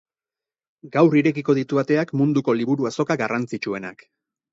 Gaur irekiko ditu ateak munduko liburu azoka garrantzitsuenak.